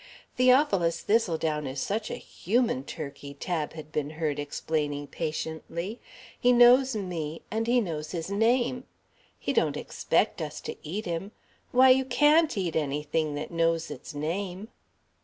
"Theophilus Thistledown is such a human turkey," Tab had been heard explaining patiently; "he knows me and he knows his name. He don't expect us to eat him ... why, you can't eat anything that knows its name."